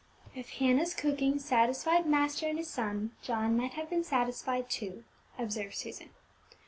"If Hannah's cooking satisfied master and his son, John might have been satisfied too," observed Susan.